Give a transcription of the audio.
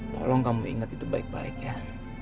tolong kamu ingat itu baik baik ya